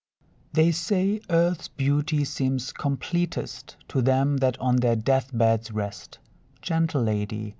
They say, Earth's beauty seems completest To them that on their death beds rest; Gentle lady!